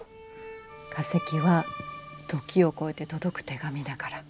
化石は時を超えて届く手紙だから。